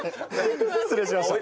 失礼しました。